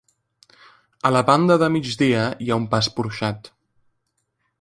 A la banda de migdia hi ha un pas porxat.